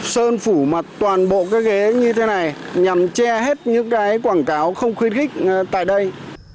sơn phủ mặt toàn bộ cái ghế như thế này nhằm che hết những cái quảng cáo không khuyến khích tại đây